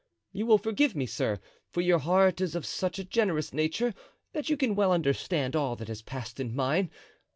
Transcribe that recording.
You will forgive me, sir, for your heart is of such a generous nature that you can well understand all that has passed in mine.